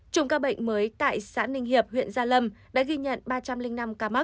chủng ca bệnh mới tại xã ninh hiệp huyện gia lâm đã ghi nhận ba trăm linh năm ca mắc